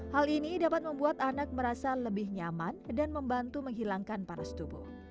hal ini dapat membuat anak merasa lebih nyaman dan membantu menghilangkan panas tubuh